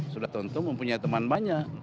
sudah tentu mempunyai teman banyak